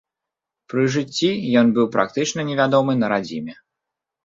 Пры жыцці ён быў практычна невядомы на радзіме.